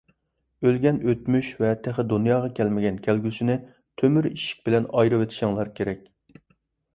ئۆلگەن ئۆتمۈش ۋە تېخى دۇنياغا كەلمىگەن كەلگۈسىنى تۆمۈر ئىشىك بىلەن ئايرىۋېتىشىڭلار كېرەك.